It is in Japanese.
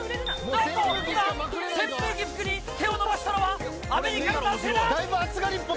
いや、扇風機服に手を伸ばしたのは、アメリカの男性だ。